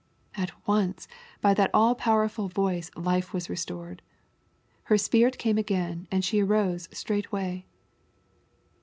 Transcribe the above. At once by that all powerful voice life was restored. " Her spirit came again, and she arose straightway."